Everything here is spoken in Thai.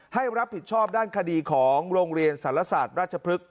ให้รับผิดชอบด้านคดีของโรงเรียนสารศาสตร์ราชพฤกษ